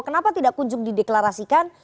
kenapa tidak kunjung dideklarasikan